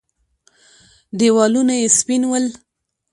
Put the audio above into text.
دېوالونه يې سپين ول.